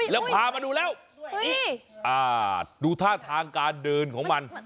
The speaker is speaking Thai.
แล้วพามาดูแล้วดูท่าทางการเดินของมัน